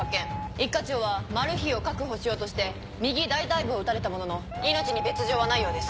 一課長はマルヒを確保しようとして右大腿部を撃たれたものの命に別条はないようです。